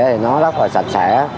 thì nó rất là sạch sẽ